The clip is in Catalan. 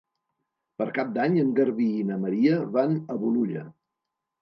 Per Cap d'Any en Garbí i na Maria van a Bolulla.